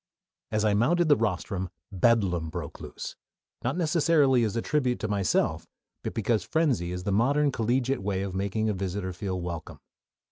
As I mounted the rostrum bedlam broke loose: not necessarily as a tribute to myself, but because frenzy is the modern collegiate way of making a visitor feel welcome.